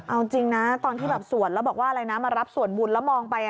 เอาจริงนะตอนที่แบบสวดแล้วบอกว่าอะไรนะมารับส่วนบุญแล้วมองไป